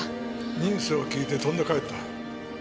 ニュースを聞いて飛んで帰った。